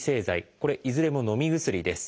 これいずれものみ薬です。